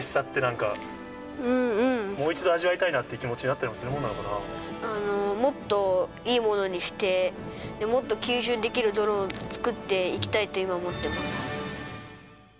もう一度味わいたいなっていう気持ちになったりするものなのあのー、もっといいものにして、もっと吸収できるドローンを作っていきたいと、今思ってます。